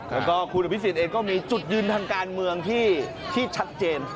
แล้วก็คุณอภิษฎเองก็มีจุดยืนทางการเมืองที่ชัดเจน